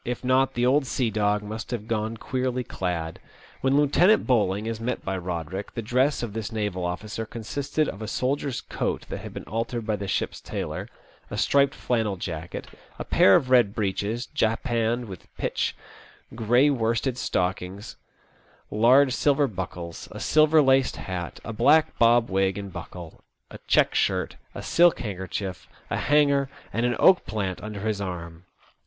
If not, the old sea dog must have gone queerly clad. When Lieutenant Bowling is met by Boderick, the dress of this naval officer consisted of a soldier's coat that had been altered by the ship's tailor, a striped flannel jacket, a pair of red breeches japanned with pitch, grey worsted stockings, large silver buckles, a silver laced hat, a black bob wig in buckle, a check shirt, a silk handkerchief, a 112 TUE OLD SEA LOO, hanger, and an oak plant under his arm.